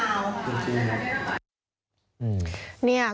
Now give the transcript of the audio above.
อยู่จริงหรือเปล่า